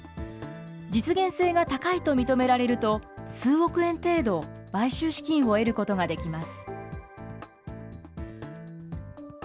実現性が高いと認められると、数億円程度、買収資金を得ることができます。